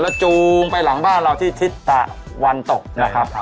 แล้วจูงไปหลังบ้านเราที่ทิศตะวันตกนะครับ